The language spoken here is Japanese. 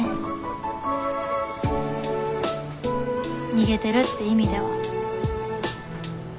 逃げてるって意味では。